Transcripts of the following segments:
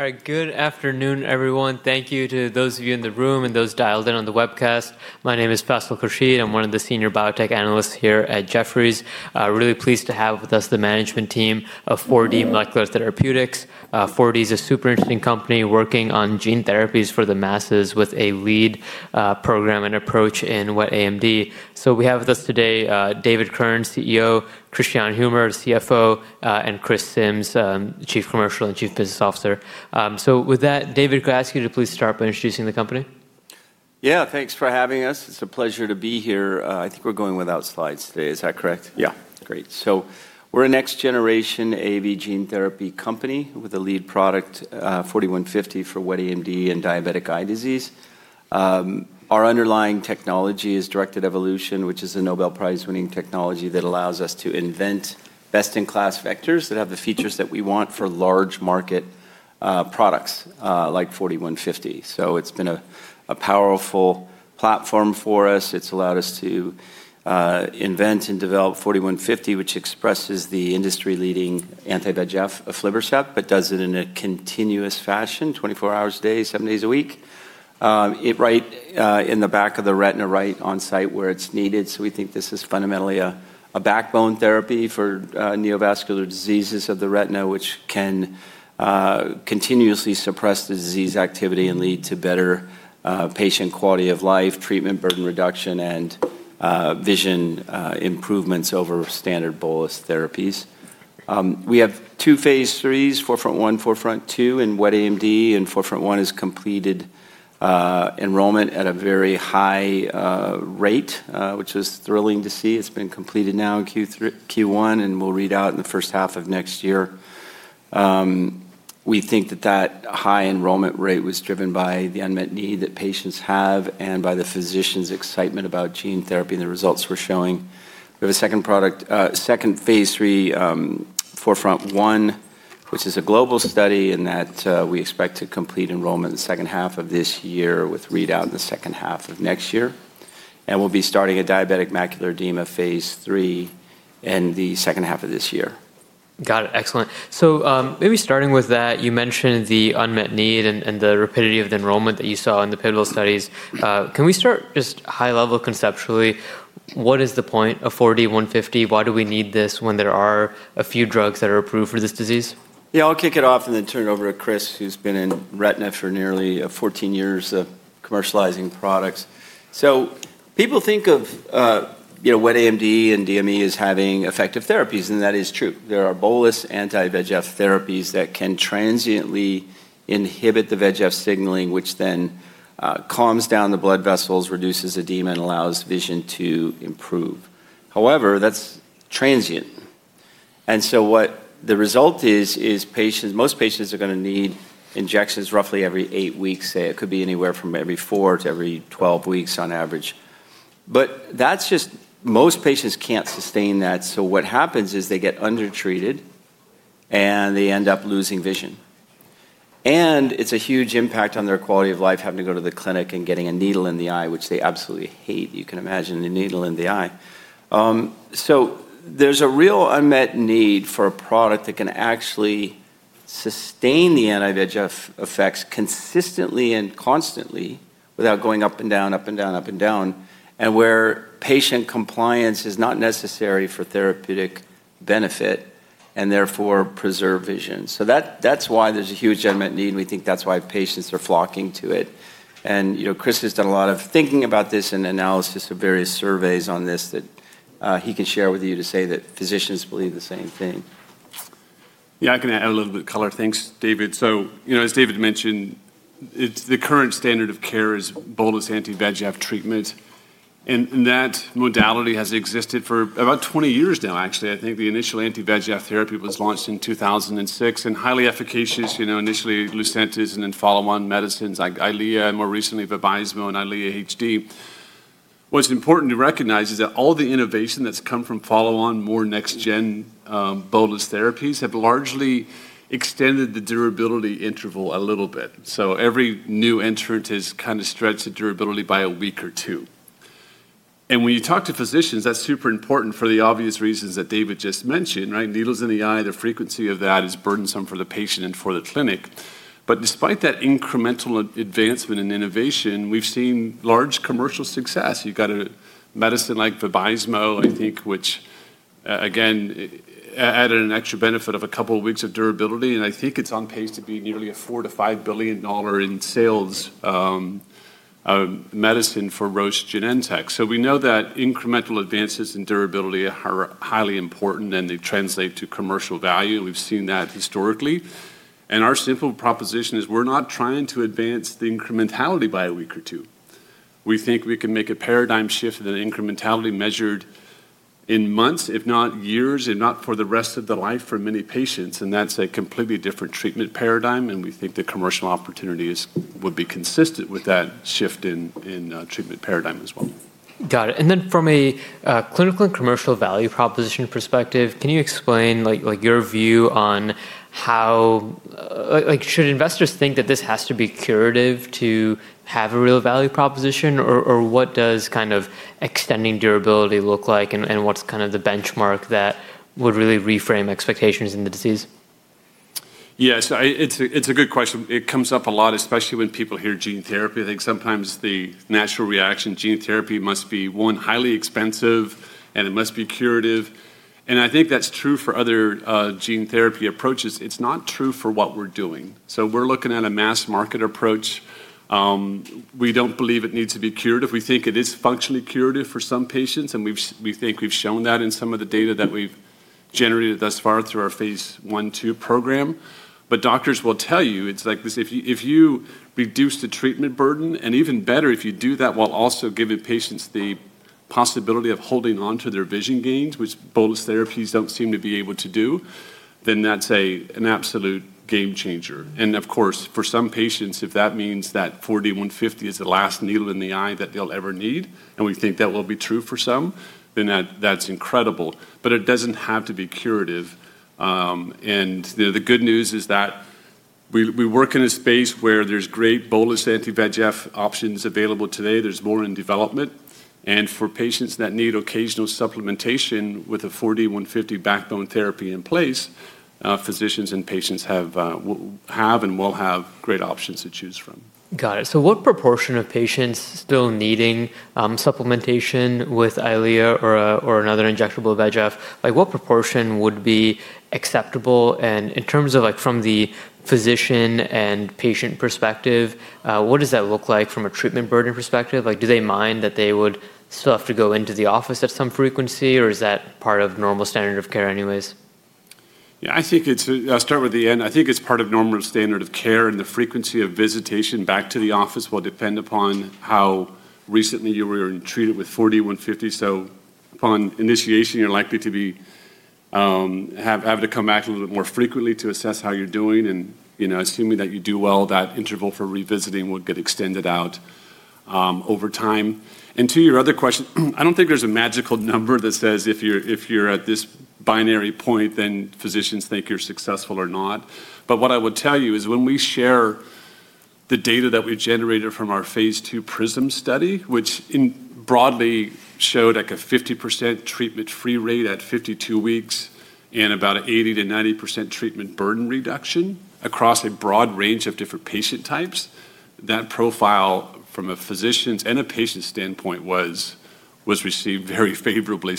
All right. Good afternoon, everyone. Thank you to those of you in the room and those dialed in on the webcast. My name is Faisal Khurshid. I'm one of the Senior Biotech Analysts here at Jefferies. Really pleased to have with us the management team of 4D Molecular Therapeutics. 4D's a super interesting company working on gene therapies for the masses with a lead program and approach in wet AMD. We have with us today, David Kirn, CEO, Kristian Humer, CFO, and Chris Simms, Chief Commercial and Chief Business Officer. With that, David, could I ask you to please start by introducing the company? Yeah. Thanks for having us. It's a pleasure to be here. I think we're going without slides today. Is that correct? Yeah. Great. We're a next generation AAV gene therapy company with a lead product, 4D-150, for wet AMD and diabetic eye disease. Our underlying technology is directed evolution, which is a Nobel Prize-winning technology that allows us to invent best-in-class vectors that have the features that we want for large market products, like 4D-150. It's been a powerful platform for us. It's allowed us to invent and develop 4D-150, which expresses the industry-leading anti-VEGF aflibercept, but does it in a continuous fashion, 24 hours a day, seven days a week, right in the back of the retina, right on site where it's needed. We think this is fundamentally a backbone therapy for neovascular diseases of the retina, which can continuously suppress the disease activity and lead to better patient quality of life, treatment burden reduction, and vision improvements over standard bolus therapies. We have two phase III, 4FRONT-1, 4FRONT-2, in wet AMD, and 4FRONT-1 has completed enrollment at a very high rate, which is thrilling to see. It's been completed now in Q1, and we'll read out in the first half of next year. We think that that high enrollment rate was driven by the unmet need that patients have and by the physicians' excitement about gene therapy and the results we're showing. We have a second phase III, 4FRONT-1, which is a global study in that we expect to complete enrollment in the second half of this year with readout in the second half of next year, and we'll be starting a diabetic macular edema phase III in the second half of this year. Got it. Excellent. Maybe starting with that, you mentioned the unmet need and the rapidity of the enrollment that you saw in the pivotal studies. Can we start just high level conceptually, what is the point of 4D-150? Why do we need this when there are a few drugs that are approved for this disease? Yeah, I'll kick it off and then turn it over to Chris, who's been in retina for nearly 14 years of commercializing products. People think of wet AMD and DME as having effective therapies, and that is true. There are bolus anti-VEGF therapies that can transiently inhibit the VEGF signaling, which then calms down the blood vessels, reduces edema, and allows vision to improve. However, that's transient, what the result is, most patients are going to need injections roughly every eight weeks. It could be anywhere from every four to every 12 weeks on average. Most patients can't sustain that, what happens is they get undertreated, and they end up losing vision, and it's a huge impact on their quality of life, having to go to the clinic and getting a needle in the eye, which they absolutely hate. You can imagine, a needle in the eye. There's a real unmet need for a product that can actually sustain the anti-VEGF effects consistently and constantly without going up and down, up and down, up and down, and where patient compliance is not necessary for therapeutic benefit, and therefore preserve vision. That's why there's a huge unmet need, and we think that's why patients are flocking to it. Chris has done a lot of thinking about this and analysis of various surveys on this that he can share with you to say that physicians believe the same thing. Yeah, I can add a little bit of color. Thanks, David. As David mentioned, the current standard of care is bolus anti-VEGF treatment, and that modality has existed for about 20 years now, actually. I think the initial anti-VEGF therapy was launched in 2006 and highly efficacious. Initially Lucentis and then follow-on medicines like EYLEA, more recently VABYSMO and EYLEA HD. What's important to recognize is that all the innovation that's come from follow-on, more next gen bolus therapies have largely extended the durability interval a little bit. Every new entrant has kind of stretched the durability by a week or two. When you talk to physicians, that's super important for the obvious reasons that David just mentioned, right? Needles in the eye, the frequency of that is burdensome for the patient and for the clinic. Despite that incremental advancement in innovation, we've seen large commercial success. You've got a medicine like VABYSMO, I think, which again, added an extra benefit of a couple of weeks of durability, and I think it's on pace to be nearly a $4 billion-$5 billion in sales medicine for Roche Genentech. We know that incremental advances in durability are highly important, and they translate to commercial value. We've seen that historically, and our simple proposition is we're not trying to advance the incrementality by a week or two. We think we can make a paradigm shift in incrementality measured in months, if not years, if not for the rest of the life for many patients, and that's a completely different treatment paradigm, and we think the commercial opportunities would be consistent with that shift in treatment paradigm as well. Got it. From a clinical and commercial value proposition perspective, can you explain your view on how should investors think that this has to be curative to have a real value proposition, or what does extending durability look like and what's the benchmark that would really reframe expectations in the disease? Yes, it's a good question. It comes up a lot, especially when people hear gene therapy. I think sometimes the natural reaction, gene therapy must be, one, highly expensive, and it must be curative. I think that's true for other gene therapy approaches. It's not true for what we're doing. We're looking at a mass market approach. We don't believe it needs to be curative. We think it is functionally curative for some patients, and we think we've shown that in some of the data that we've generated thus far through our phase I/II program. Doctors will tell you, it's like this. If you reduce the treatment burden, and even better, if you do that while also giving patients the possibility of holding onto their vision gains, which bolus therapies don't seem to be able to do, then that's an absolute game changer. Of course, for some patients, if that means that 4D-150 is the last needle in the eye that they'll ever need, and we think that will be true for some, then that's incredible. It doesn't have to be curative. The good news is that we work in a space where there's great bolus anti-VEGF options available today. There's more in development. For patients that need occasional supplementation with a 4D-150 backbone therapy in place, physicians and patients have and will have great options to choose from. Got it. What proportion of patients still needing supplementation with EYLEA or another injectable VEGF, what proportion would be acceptable? In terms of from the physician and patient perspective, what does that look like from a treatment burden perspective? Do they mind that they would still have to go into the office at some frequency, or is that part of normal standard of care anyways? I'll start with the end. I think it's part of normal standard of care, and the frequency of visitation back to the office will depend upon how recently you were treated with 4D-150. Upon initiation, you're likely to have to come back a little bit more frequently to assess how you're doing. Assuming that you do well, that interval for revisiting would get extended out over time. To your other question, I don't think there's a magical number that says if you're at this binary point, then physicians think you're successful or not. What I would tell you is when we share the data that we generated from our phase II PRISM study, which broadly showed a 50% treatment-free rate at 52 weeks and about an 80%-90% treatment burden reduction across a broad range of different patient types, that profile from a physician's and a patient's standpoint was received very favorably.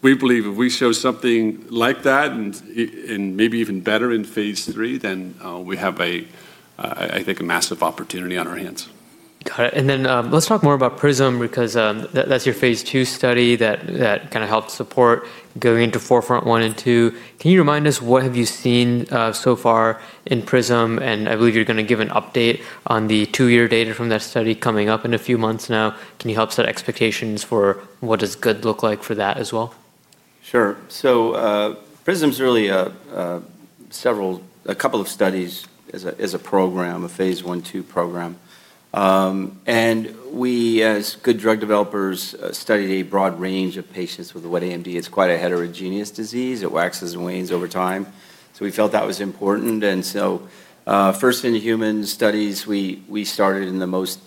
We believe if we show something like that and maybe even better in phase III, then we have, I think, a massive opportunity on our hands. Got it. Let's talk more about PRISM because that's your phase II study that helped support going into 4FRONT-1 and 4FRONT-2. Can you remind us what have you seen so far in PRISM? I believe you're going to give an update on the two-year data from that study coming up in a few months now. Can you help set expectations for what does good look like for that as well? Sure. PRISM's really a couple of studies as a program, a phase I/II program. We, as good drug developers, studied a broad range of patients with wet AMD. It's quite a heterogeneous disease. It waxes and wanes over time. We felt that was important. First in human studies, we started in the most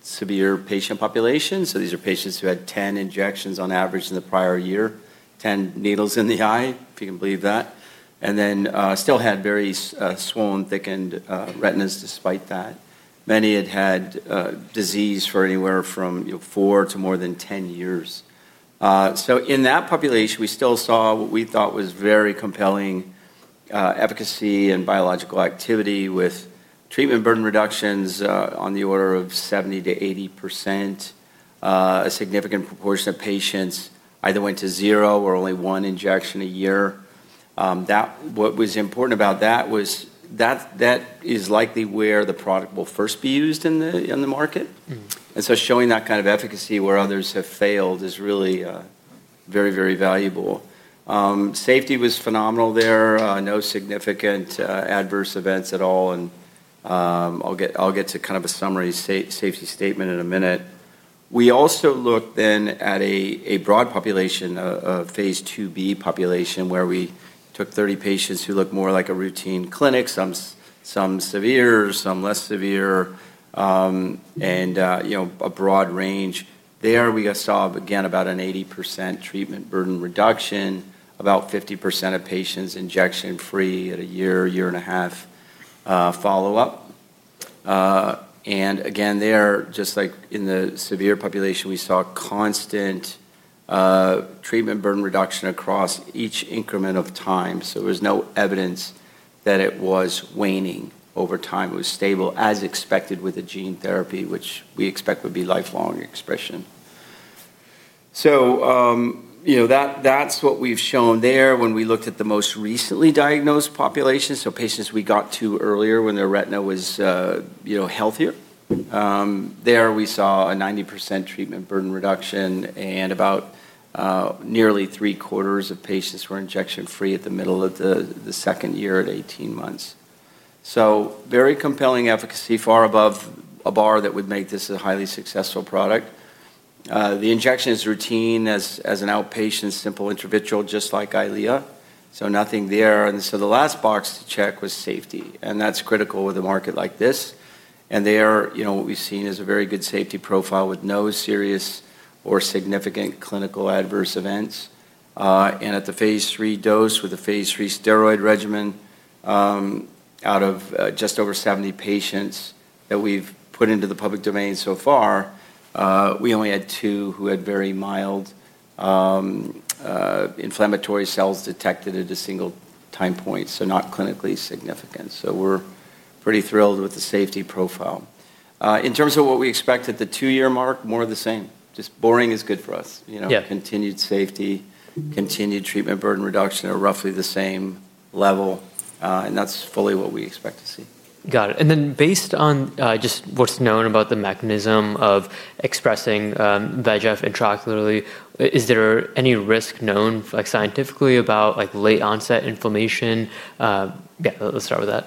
severe patient population. These are patients who had 10 injections on average in the prior year, 10 needles in the eye, if you can believe that, and then still had very swollen, thickened retinas despite that. Many had had disease for anywhere from four to more than 10 years. In that population, we still saw what we thought was very compelling efficacy and biological activity with treatment burden reductions on the order of 70%-80%. A significant proportion of patients either went to zero or only one injection a year. What was important about that was that is likely where the product will first be used in the market. Showing that kind of efficacy where others have failed is really very, very valuable. Safety was phenomenal there. No significant adverse events at all, and I'll get to a summary safety statement in a minute. We also looked then at a broad population, a phase IIb population, where we took 30 patients who looked more like a routine clinic, some severe, some less severe, and a broad range. There we saw, again, about an 80% treatment burden reduction, about 50% of patients injection-free at a year and a half follow-up. Again, there, just like in the severe population, we saw constant treatment burden reduction across each increment of time. There was no evidence that it was waning over time. It was stable as expected with a gene therapy, which we expect would be lifelong expression. That's what we've shown there. When we looked at the most recently diagnosed population, patients we got to earlier when their retina was healthier. There we saw a 90% treatment burden reduction and about nearly 3/4 of patients were injection-free at the middle of the second year at 18 months. Very compelling efficacy, far above a bar that would make this a highly successful product. The injection is routine as an outpatient simple intravitreal just like EYLEA. Nothing there. The last box to check was safety, and that's critical with a market like this. There, what we've seen is a very good safety profile with no serious or significant clinical adverse events. At the phase III dose with the phase III steroid regimen, out of just over 70 patients that we've put into the public domain so far, we only had two who had very mild inflammatory cells detected at a single time point, so not clinically significant. We're pretty thrilled with the safety profile. In terms of what we expect at the two-year mark, more of the same. Just boring is good for us. Continued safety, continued treatment burden reduction are roughly the same level, and that's fully what we expect to see. Got it. Based on just what's known about the mechanism of expressing VEGF intraocularly, is there any risk known scientifically about late onset inflammation? Yeah, let's start with that.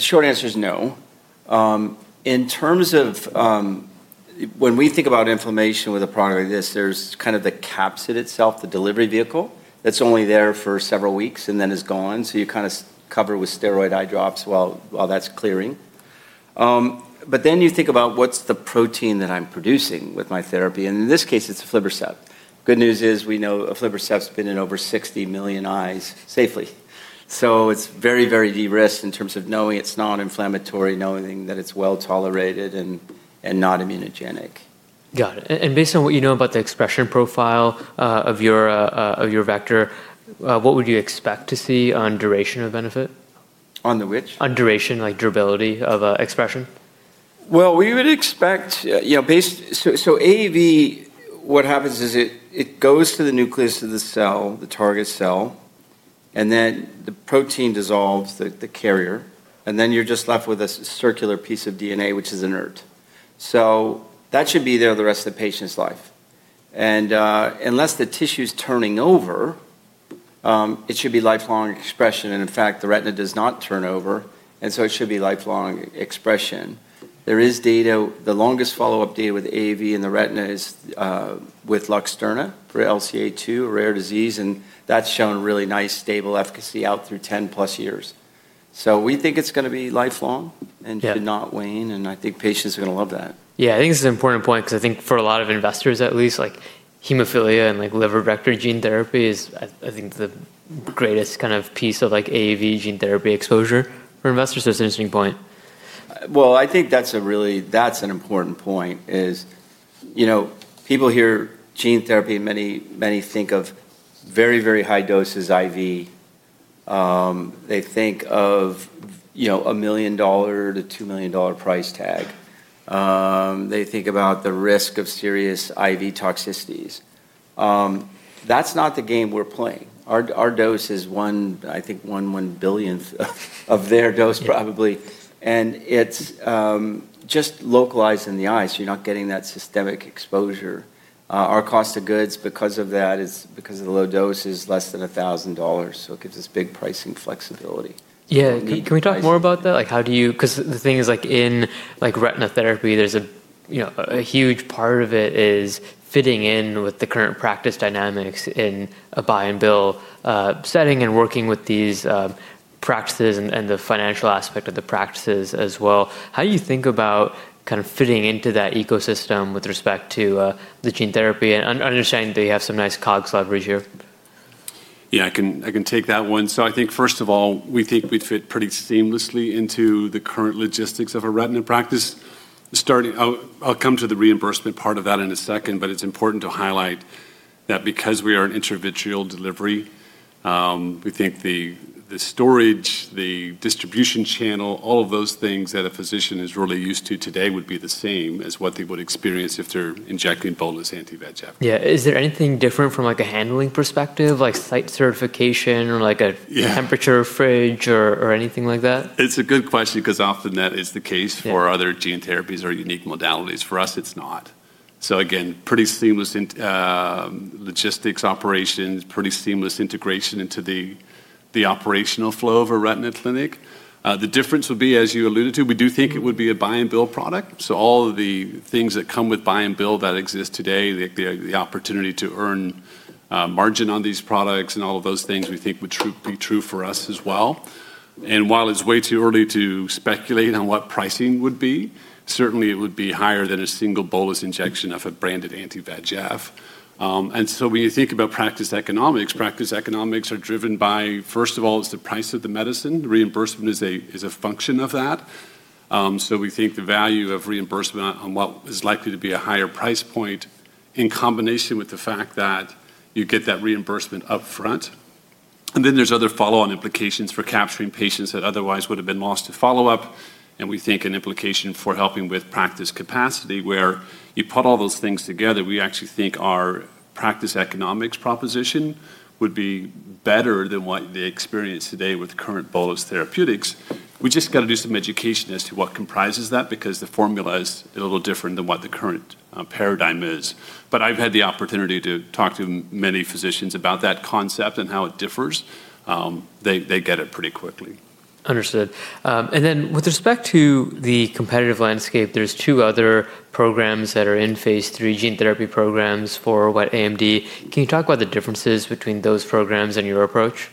Short answer is no. When we think about inflammation with a product like this, there's the capsid itself, the delivery vehicle, that's only there for several weeks and then is gone, so you cover with steroid eye drops while that's clearing. You think about what's the protein that I'm producing with my therapy, and in this case, it's aflibercept. Good news is, we know aflibercept's been in over 60 million eyes safely. It's very de-risked in terms of knowing it's non-inflammatory, knowing that it's well-tolerated and not immunogenic. Got it. Based on what you know about the expression profile of your vector, what would you expect to see on duration of benefit? On the which? On duration, like durability of expression. AAV, what happens is it goes to the nucleus of the cell, the target cell, and then the protein dissolves the carrier, and then you're just left with a circular piece of DNA, which is inert. Unless the tissue's turning over, it should be lifelong expression and, in fact, the retina does not turn over, it should be lifelong expression. The longest follow-up data with AAV in the retina is with LUXTURNA for LCA2, a rare disease, and that's shown really nice stable efficacy out through 10+ years. We think it's going to be life-long. Should not wane, and I think patients are going to love that. Yeah, I think this is an important point because I think for a lot of investors at least, like hemophilia and liver vector gene therapy is, I think, the greatest piece of AAV gene therapy exposure for investors. That's an interesting point. Well, I think that's an important point is people hear gene therapy, many think of very high doses IV. They think of a $1 million-$2 million price tag. They think about the risk of serious IV toxicities. That's not the game we're playing. Our dose is, I think, one billionth of their dose probably, and it's just localized in the eye, so you're not getting that systemic exposure. Our cost of goods because of the low dose is less than $1,000, so it gives us big pricing flexibility. Yeah. Can we talk more about that? Because the thing is in retina therapy, a huge part of it is fitting in with the current practice dynamics in a buy and bill setting and working with these practices and the financial aspect of the practices as well. How do you think about fitting into that ecosystem with respect to the gene therapy? Understanding that you have some nice COGS leverage here. Yeah, I can take that one. I think first of all, we think we fit pretty seamlessly into the current logistics of a retina practice. I'll come to the reimbursement part of that in a second, but it's important to highlight that because we are an intravitreal delivery, we think the storage, the distribution channel, all of those things that a physician is really used to today would be the same as what they would experience if they're injecting bolus anti-VEGF. Yeah. Is there anything different from a handling perspective, like site certification or a temperature fridge or anything like that? It's a good question because often that is the case for other gene therapies or unique modalities. For us, it's not. Again, pretty seamless logistics operations, pretty seamless integration into the operational flow of a retina clinic. The difference would be, as you alluded to, we do think it would be a buy and bill product. All of the things that come with buy and bill that exist today, the opportunity to earn margin on these products and all of those things we think would be true for us as well. While it's way too early to speculate on what pricing would be, certainly it would be higher than a single bolus injection of a branded anti-VEGF. When you think about practice economics, practice economics are driven by, first of all, it's the price of the medicine. Reimbursement is a function of that. We think the value of reimbursement on what is likely to be a higher price point in combination with the fact that you get that reimbursement upfront. There's other follow-on implications for capturing patients that otherwise would've been lost to follow-up, and we think an implication for helping with practice capacity where you put all those things together, we actually think our practice economics proposition would be better than what they experience today with current bolus therapeutics. We just got to do some education as to what comprises that because the formula is a little different than what the current paradigm is. I've had the opportunity to talk to many physicians about that concept and how it differs. They get it pretty quickly. Understood. With respect to the competitive landscape, there's two other programs that are in phase III gene therapy programs for wet AMD. Can you talk about the differences between those programs and your approach?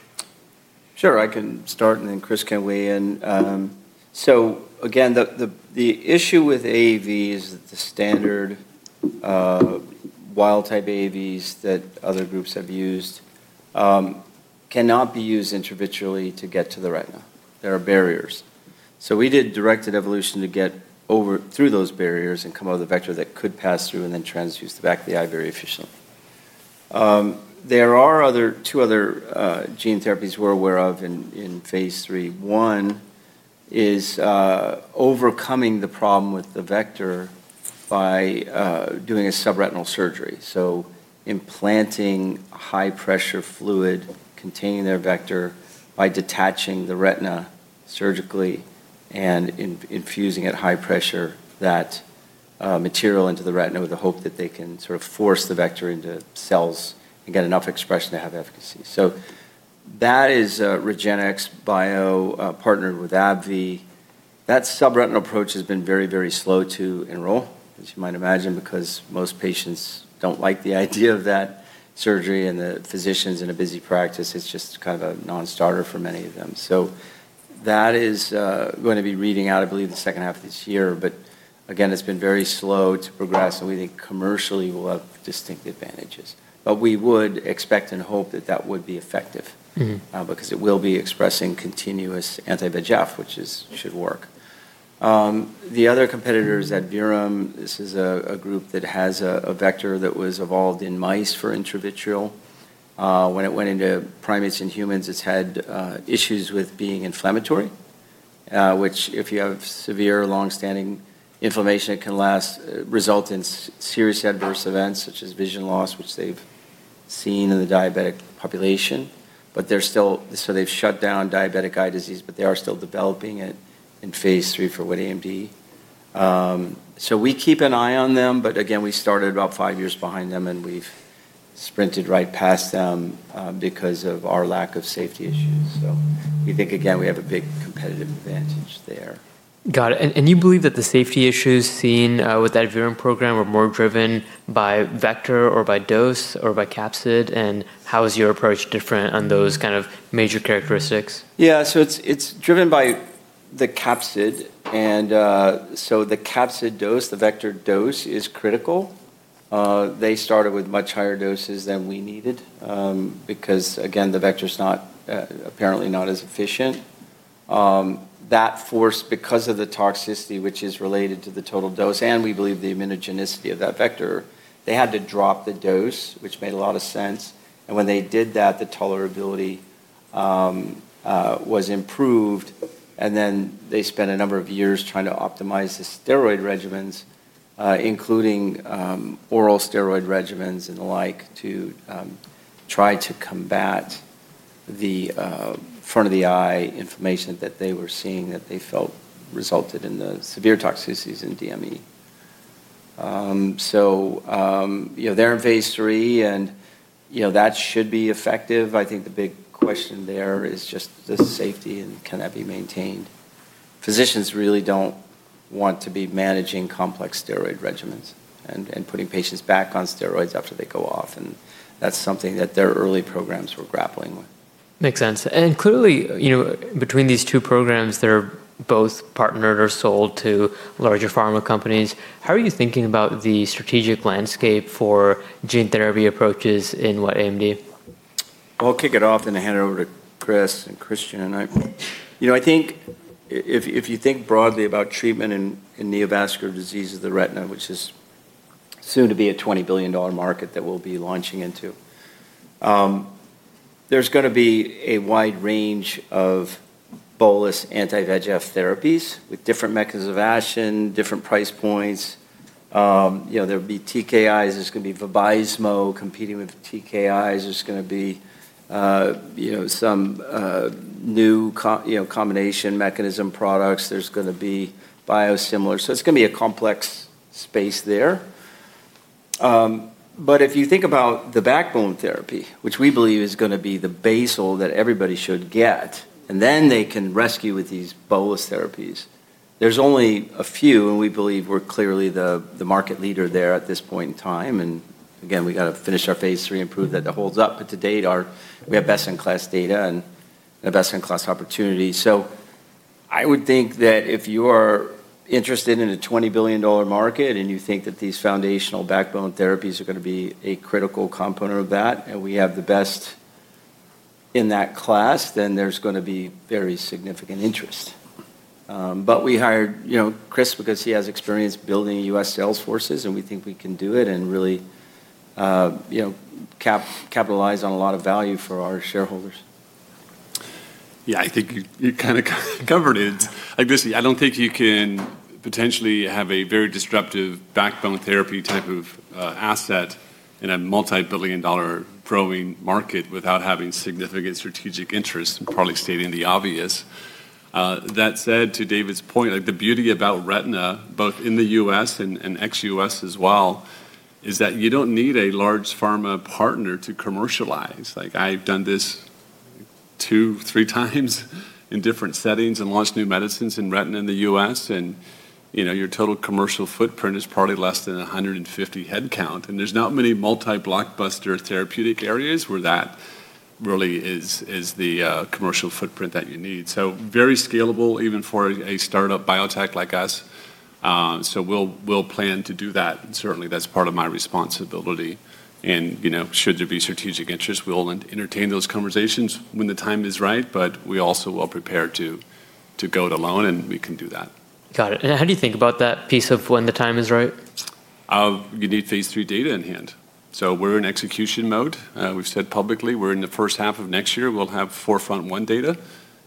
I can start and then Chris can weigh in. Again, the issue with AAV is that the standard wild-type AAVs that other groups have used cannot be used intravitreally to get to the retina. There are barriers. We did directed evolution to get through those barriers and come out with a vector that could pass through and then transduce the back of the eye very efficiently. There are two other gene therapies we're aware of in phase III. One is overcoming the problem with the vector by doing a subretinal surgery. Implanting high pressure fluid containing their vector by detaching the retina surgically and infusing at high pressure that material into the retina with the hope that they can sort of force the vector into cells and get enough expression to have efficacy. That is REGENXBIO partnered with AbbVie. That subretinal approach has been very slow to enroll, as you might imagine, because most patients don't like the idea of that surgery and the physicians in a busy practice, it's just kind of a non-starter for many of them. That is going to be reading out, I believe, in the second half of this year. Again, it's been very slow to progress and we think commercially will have distinct advantages. We would expect and hope that that would be effective because it will be expressing continuous anti-VEGF, which should work. The other competitor is Adverum. This is a group that has a vector that was evolved in mice for intravitreal. When it went into primates and humans, it's had issues with being inflammatory, which if you have severe longstanding inflammation, it can result in serious adverse events such as vision loss, which they've seen in the diabetic population. They've shut down diabetic eye disease, they are still developing it in phase III for wet AMD. We keep an eye on them, again, we started about five years behind them and we've sprinted right past them because of our lack of safety issues. We think, again, we have a big competitive advantage there. Got it. You believe that the safety issues seen with that Adverum program were more driven by vector or by dose or by capsid? How is your approach different on those kind of major characteristics? It's driven by the capsid. The capsid dose, the vector dose is critical. They started with much higher doses than we needed, because again, the vector's apparently not as efficient. That forced because of the toxicity which is related to the total dose and we believe the immunogenicity of that vector, they had to drop the dose, which made a lot of sense. When they did that, the tolerability was improved and then they spent a number of years trying to optimize the steroid regimens including oral steroid regimens and the like to try to combat the front of the eye inflammation that they were seeing that they felt resulted in the severe toxicities in DME. They're in phase III and that should be effective. I think the big question there is just the safety and can that be maintained. Physicians really don't want to be managing complex steroid regimens and putting patients back on steroids after they go off, and that's something that their early programs were grappling with. Makes sense. Clearly, between these two programs that are both partnered or sold to larger pharma companies, how are you thinking about the strategic landscape for gene therapy approaches in wet AMD? I'll kick it off and then hand it over to Chris and Kristian. I think if you think broadly about treatment in neovascular diseases of the retina, which is soon to be a $20 billion market that we'll be launching into, there's going to be a wide range of bolus anti-VEGF therapies with different mechanisms of action, different price points. There'll be TKIs, there's going to be VABYSMO competing with TKIs. There's going to be some new combination mechanism products. There's going to be biosimilar. It's going to be a complex space there. If you think about the backbone therapy, which we believe is going to be the basal that everybody should get, and then they can rescue with these bolus therapies. There's only a few, and we believe we're clearly the market leader there at this point in time. Again, we got to finish our Phase III and prove that that holds up. To date, we have best-in-class data and a best-in-class opportunity. I would think that if you are interested in a $20 billion market and you think that these foundational backbone therapies are going to be a critical component of that, and we have the best in that class, then there's going to be very significant interest. We hired Chris because he has experience building U.S. sales forces, and we think we can do it and really capitalize on a lot of value for our shareholders. I don't think you can potentially have a very disruptive backbone therapy type of asset in a multi-billion dollar growing market without having significant strategic interest. I'm probably stating the obvious. To David's point, the beauty about retina, both in the U.S. and ex-U.S. as well, is that you don't need a large pharma partner to commercialize. I've done this two, three times in different settings and launched new medicines in retina in the U.S. Your total commercial footprint is probably less than 150 headcount, and there's not many multi-blockbuster therapeutic areas where that really is the commercial footprint that you need. Very scalable even for a startup biotech like us. We'll plan to do that, and certainly that's part of my responsibility. Should there be strategic interest, we'll entertain those conversations when the time is right, but we also are prepared to go it alone, and we can do that. Got it. How do you think about that piece of when the time is right? You need phase III data in hand. We're in execution mode. We've said publicly we're in the first half of next year, we'll have 4FRONT-1 data,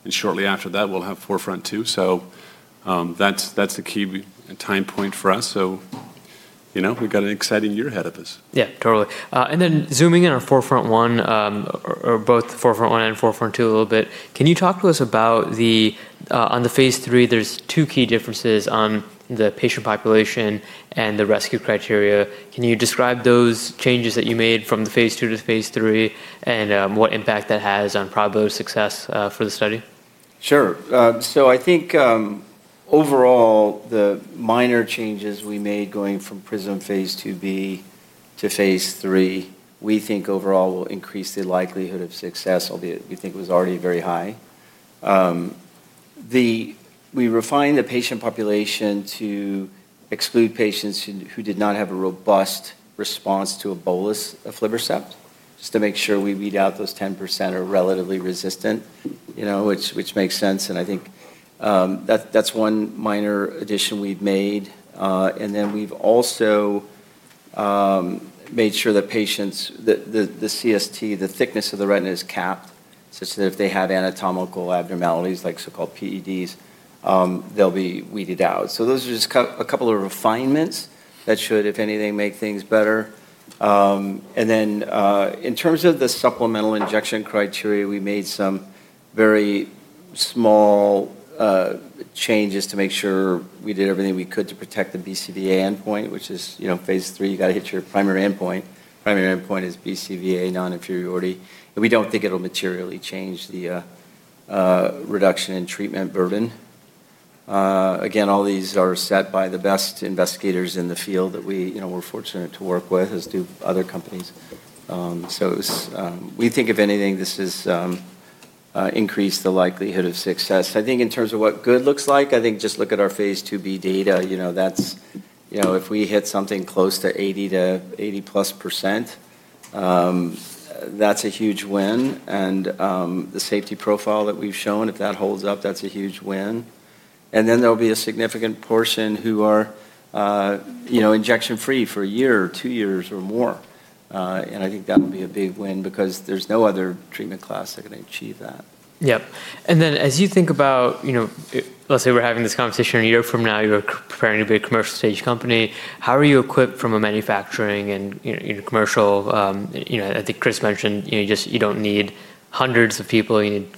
and shortly after that, we'll have 4FRONT-2. That's the key time point for us. We've got an exciting year ahead of us. Yeah, totally. Zooming in on 4FRONT-1, or both 4FRONT-1 and 4FRONT-2 a little bit, can you talk to us about on the phase III, there's two key differences on the patient population and the rescue criteria. Can you describe those changes that you made from the phase II to phase III and what impact that has on probable success for the study? Sure. I think, overall, the minor changes we made going from PRISM phase IIb to phase III, we think overall will increase the likelihood of success, albeit we think it was already very high. We refined the patient population to exclude patients who did not have a robust response to a bolus of aflibercept, just to make sure we weed out those 10% that are relatively resistant, which makes sense and I think that's one minor addition we've made. We've also made sure that the CST, the thickness of the retina is capped, such that if they have anatomical abnormalities like so-called PEDs, they'll be weeded out. Those are just a couple of refinements that should, if anything, make things better. In terms of the supplemental injection criteria, we made some very small changes to make sure we did everything we could to protect the BCVA endpoint, which is phase III, you got to hit your primary endpoint. Primary endpoint is BCVA non-inferiority. We don't think it'll materially change the reduction in treatment burden. Again, all these are set by the best investigators in the field that we're fortunate to work with, as do other companies. We think, if anything, this has increased the likelihood of success. I think in terms of what good looks like, I think just look at our phase IIb data. If we hit something close to 80%+, that's a huge win and the safety profile that we've shown, if that holds up, that's a huge win. Then there'll be a significant portion who are injection free for a year or two years or more. I think that will be a big win because there's no other treatment class that can achieve that. Yep. As you think about, let's say we're having this conversation a year from now, you're preparing to be a commercial stage company, how are you equipped from a manufacturing and commercial, I think Chris mentioned, you don't need hundreds of people, you need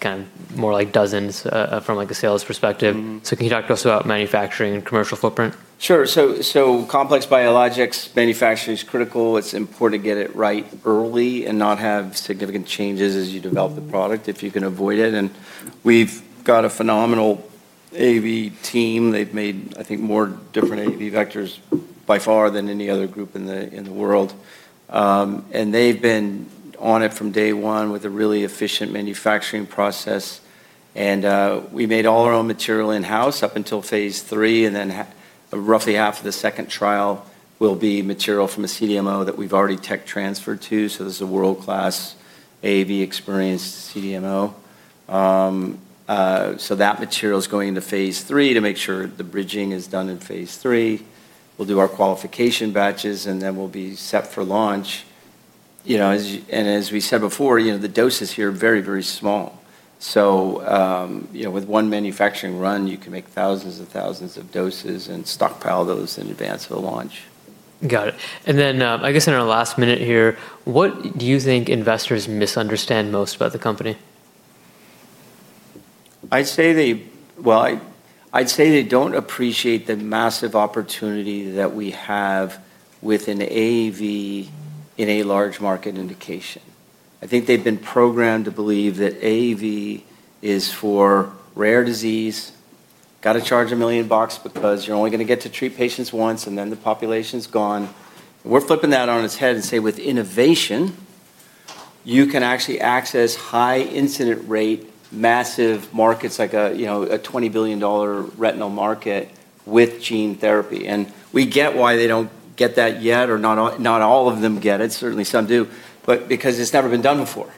more like dozens, from a sales perspective. Can you talk to us about manufacturing and commercial footprint? Sure. Complex biologics manufacturing is critical. It's important to get it right early and not have significant changes as you develop the product if you can avoid it, and we've got a phenomenal AAV team. They've made, I think, more different AAV vectors by far than any other group in the world. They've been on it from day one with a really efficient manufacturing process. We made all our own material in-house up until phase III, and then roughly 1/2 of the second trial will be material from a CDMO that we've already tech transferred to. This is a world-class AAV experienced CDMO. That material is going into phase III to make sure the bridging is done in phase III. We'll do our qualification batches, and then we'll be set for launch. As we said before, the doses here are very small. With one manufacturing run, you can make thousands and thousands of doses and stockpile those in advance for the launch. Got it. I guess in our last minute here, what do you think investors misunderstand most about the company? I'd say they don't appreciate the massive opportunity that we have with an AAV in a large market indication. I think they've been programmed to believe that AAV is for rare disease, got to charge $1 million because you're only going to get to treat patients once and then the population's gone. We're flipping that on its head and say with innovation, you can actually access high incident rate, massive markets like a $20 billion retinal market with gene therapy. We get why they don't get that yet or not all of them get it, certainly some do, because it's never been done before.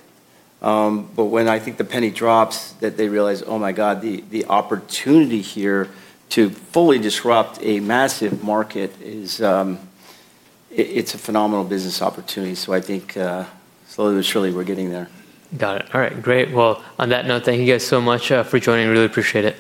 When I think the penny drops that they realize, oh my God, the opportunity here to fully disrupt a massive market is a phenomenal business opportunity. I think slowly but surely we're getting there. Got it. All right. Great. On that note, thank you guys so much for joining. Really appreciate it.